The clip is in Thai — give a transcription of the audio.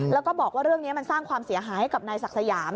แล้วก็บอกว่าเรื่องนี้มันสร้างความเสียหายให้กับนายศักดิ์สยาม